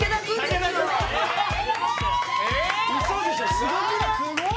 すごくない？